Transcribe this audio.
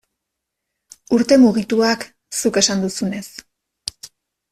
Urte mugituak, zuk esan duzunez.